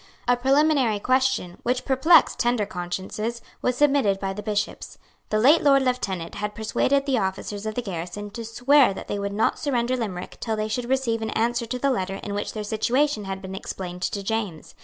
A preliminary question, which perplexed tender consciences, was submitted by the Bishops. The late Lord Lieutenant had persuaded the officers of the garrison to swear that they would not surrender Limerick till they should receive an answer to the letter in which their situation had been explained to James.